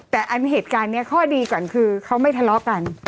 แต่อันนี้เหตุการณ์นี้ข้อดีก่อนคือเขาไม่ทะเลาะกัน